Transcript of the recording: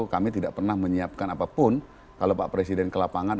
kami tidak pernah menyiapkan apapun kalau pak presiden ke lapangan